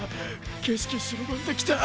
景色白ばんできたぁ。